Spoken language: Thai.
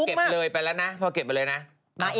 เก็บเลยไปแล้วนะเก็บไปเลยนะ